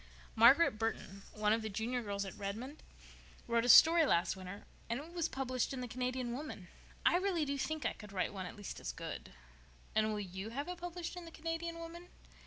"Margaret Burton, one of the Junior girls at Redmond, wrote a story last winter and it was published in the Canadian Woman. I really do think I could write one at least as good." "And will you have it published in the _Canadian Woman?